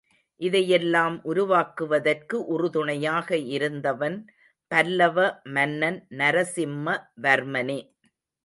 இதையெல்லாம் உருவாக்குவதற்கு உறுதுணையாக இருந்தவன் பல்லவ மன்னன் நரசிம்மவர்மனே.